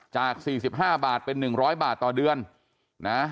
จาก๔๕บาทเป็น๑๐๐บาทต่อเดือนนะ